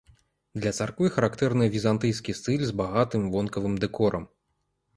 Для царквы характэрны візантыйскі стыль з багатым вонкавым дэкорам.